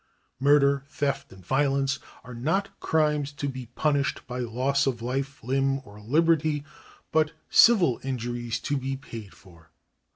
Murder, theft, and violence are not crimes to be punished by loss of life, limb, or liberty, but civil injuries to be paid for.